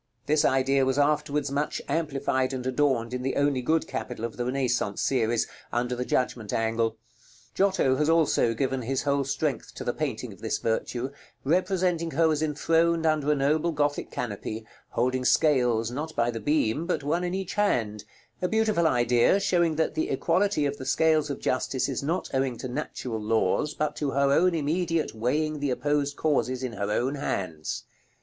This idea was afterwards much amplified and adorned in the only good capital of the Renaissance series, under the Judgment angle. Giotto has also given his whole strength to the painting of this virtue, representing her as enthroned under a noble Gothic canopy, holding scales, not by the beam, but one in each hand; a beautiful idea, showing that the equality of the scales of Justice is not owing to natural laws, but to her own immediate weighing the opposed causes in her own hands.